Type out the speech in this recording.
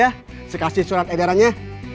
kamu mau kasih surat edarannya